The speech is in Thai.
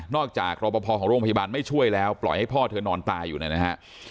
จากรอปภของโรงพยาบาลไม่ช่วยแล้วปล่อยให้พ่อเธอนอนตายอยู่เนี่ยนะฮะ